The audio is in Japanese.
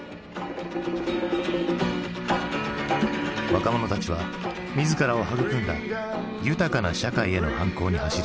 若者たちは自らを育んだ豊かな社会への反抗に走り始める。